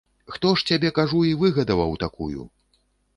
Хто ж цябе, кажу, і выгадаваў такую?